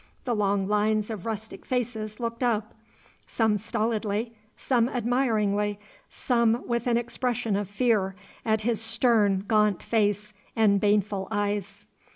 The long lines of rustic faces looked up, some stolidly, some admiringly, some with an expression of fear at his stern, gaunt face and baneful eyes.